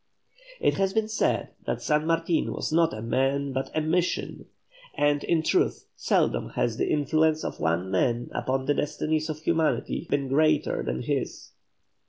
It has been said that San Martin was not a man but a mission, and, in truth, seldom has the influence of one man upon the destinies of humanity been greater than was his.